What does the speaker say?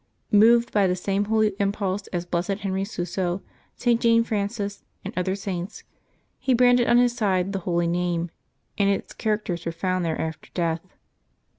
Moved by the same holy impulse as Blessed Henry Suso, St. Jane Frances, and other Saints, he branded on his side the Holy Name, and its characters were found there after death.